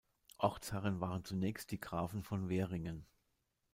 Ortsherren waren zunächst die die Grafen von Veringen.